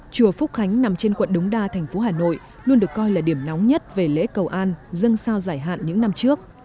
chùa phúc khánh nằm trên quận đống đa thành phố hà nội luôn được coi là điểm nóng nhất về lễ cầu an dân sao giải hạn những năm trước